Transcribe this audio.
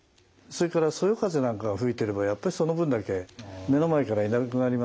それからそよ風なんかが吹いてればやっぱその分だけ目の前からいなくなりますから。